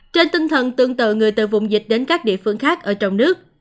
trên tinh thần tương tự người từ vùng dịch đến các địa phương khác ở trong nước